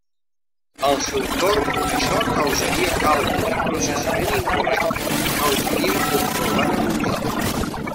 Al seu torn, això causaria càlcul i processament incorrecte i causaria un problema mundial.